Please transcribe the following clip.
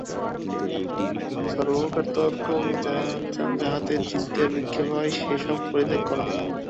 সর্বপ্রকার তর্ক ও যাহাতে চিত্তের বিক্ষেপ হয়, সে-সব পরিত্যাগ কর।